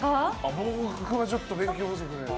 僕はちょっと勉強不足で。